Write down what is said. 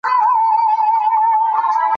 خالص مواد پر دوو ډولو دي.